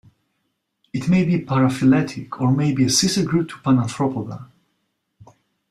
It may be paraphyletic, or may be a sister group to Panarthropoda.